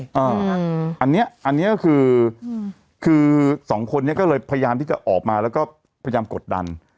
อันนี้อันนี้ก็คือคือสองคนนี้ก็เลยพยายามที่จะออกมาแล้วก็พยายามกดดัน